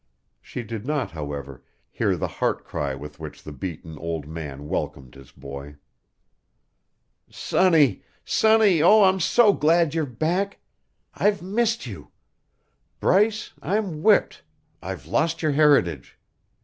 She did not, however, hear the heart cry with which the beaten old man welcomed his boy. "Sonny, sonny oh, I'm so glad you're back. I've missed you. Bryce, I'm whipped I've lost your heritage.